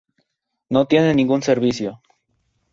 No tiene ningún servicio.